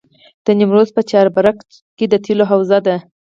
د نیمروز په چاربرجک کې د تیلو حوزه ده.